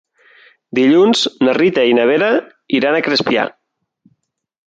Dilluns na Rita i na Vera iran a Crespià.